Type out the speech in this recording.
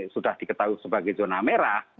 sudah diketahui sebagai zona merah